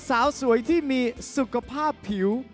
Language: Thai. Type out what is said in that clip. สาวสวยที่มีสุขภาพผิว